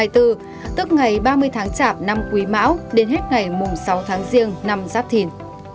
tức từ ngày ba mươi tháng chảm năm quý mão đến hết ngày sáu tháng giêng năm giáp thìn